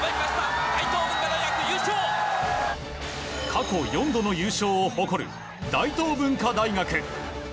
過去４度の優勝を誇る大東文化大学。